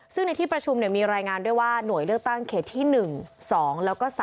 ซึ่งในที่ประชุมมีรายงานด้วยว่าหน่วยเลือกตั้งเขตที่๑๒แล้วก็๓